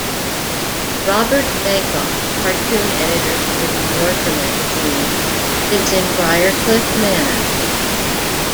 Robert Mankoff, cartoon editor for "The New Yorker" magazine, lives in Briarcliff Manor.